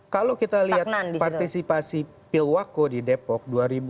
kalau kita lihat partisipasi pilwako di depok dua ribu sepuluh dua ribu lima belas